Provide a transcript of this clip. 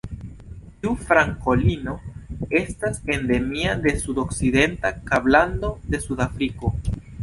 Tiu frankolino estas endemia de sudokcidenta Kablando de Sudafriko.